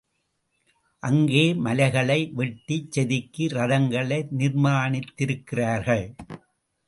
அங்கே மலைகளை வெட்டிச் செதுக்கி ரதங்களை நிர்மாணித்திருக்கிறார்கள்.